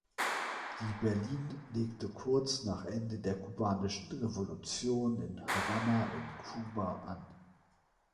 Die Berlin legte kurz nach Ende der Kubanischen Revolution in Havanna in Kuba an.